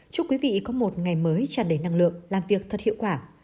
chúc quý vị có một ngày mới tràn đầy năng lượng làm việc thật hiệu quả